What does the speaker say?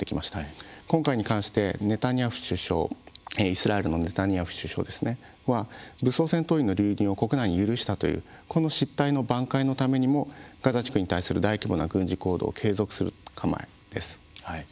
今回に関してイスラエルのネタニヤフ首相は武装戦闘員の流入を国内に許したというこの失態の挽回のためにもガザ地区に対する大規模な軍事行動を継続する構えです。